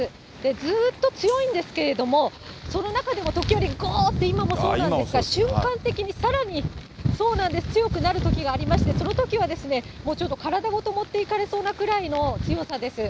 ずっと強いんですけれども、その中でも時折、ごーって、今もそうなんですが、瞬間的にさらに、そうなんです、強くなるときがありまして、そのときはもうちょっと体ごと持っていかれそうなぐらいの強さです。